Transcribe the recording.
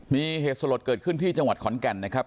มีเหตุสลดเกิดขึ้นที่จังหวัดขอนแก่นนะครับ